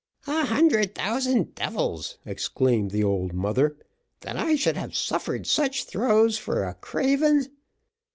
"A hundred thousand devils!" exclaimed the old mother, "that I should have suffered such throes for a craven.